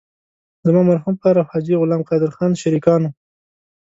زما مرحوم پلار او حاجي غلام قادر خان شریکان وو.